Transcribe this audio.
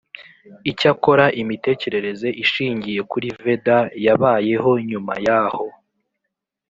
icyakora imitekerereze ishingiye kuri veda yabayeho nyuma yaho